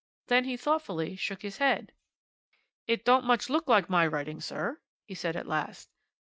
Then he thoughtfully shook his head. "'It don't look much like my writing, sir,' he said at last.